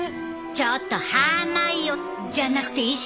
ちょっとハーマイオじゃなくて石原ちゃん！